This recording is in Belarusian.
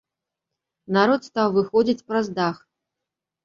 Народ стаў выходзіць праз дах.